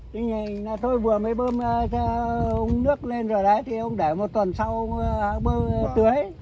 thì nhìn là tôi vừa mới bơm nước lên rồi đấy thì ông để một tuần sau bơm tưới